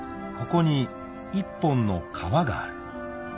［ここに一本の川がある］